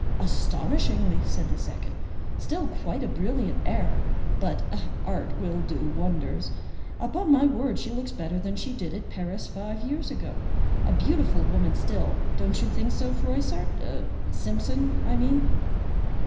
"Astonishingly," said the second; "still quite a brilliant air, but art will do wonders. Upon my word, she looks better than she did at Paris five years ago. A beautiful woman still;—don't you think so, Froissart?—Simpson, I mean."